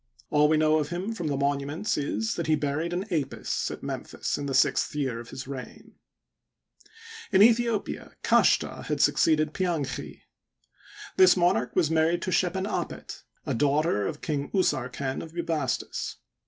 All we know of him from the monuments is, that he buried an Apis at Memphis in the sixth year of his reign. Digitized byCjOOQlC Ii8 HISTORY OF EGYPT. In Aethiopia Kashta had succeeded Pianchi. This monarch was married to Shep^en apet, a daughter of Kine Usarken, of Bubastis.